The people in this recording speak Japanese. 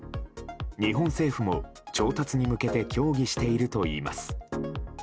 日本政府も調達に向けて協議しているといいます。